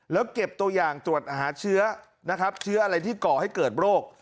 แล้วเก็บตัวอย่างตรวจหาเชื้อนะครับเชื้ออะไรที่ก่อให้เกิดโรค